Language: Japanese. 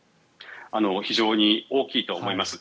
非常に大きいと思います。